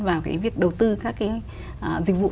vào cái việc đầu tư các cái dịch vụ